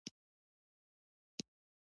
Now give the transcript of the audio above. موږ باید دا رڼا ژوندۍ وساتو.